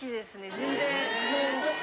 全然。